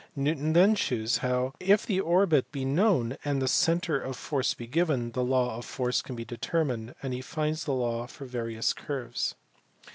Newton then shews how, if the orbit be known and the centre of force be given, the law of force can be determined ; and he finds the law for various curves.